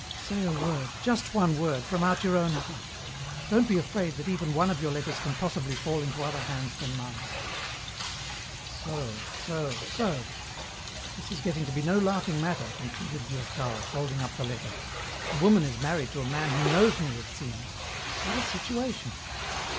"'Ah, say a word, just one word, from out your own heart. Don't be afraid that even one of your letters can possibly fall into other hands than mine.' "So, so, so. This is getting to be no laughing matter," concluded Durtal, folding up the letter. "The woman is married to a man who knows me, it seems. What a situation!